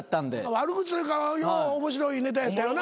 悪口というか面白いネタやったよな。